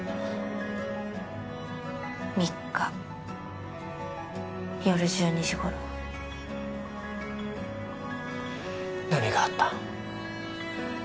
３日夜１２時頃何があった？